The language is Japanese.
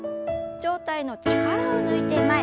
上体の力を抜いて前。